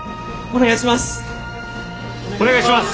お願いします！